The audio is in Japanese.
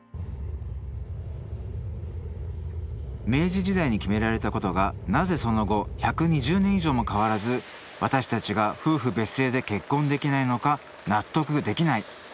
明治時代に決められたことがなぜその後１２０年以上も変わらず私たちが夫婦別姓で結婚できないのか納得できない！